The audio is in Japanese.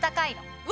うわ！